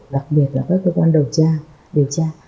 đặc biệt là các cơ quan điều tra điều tra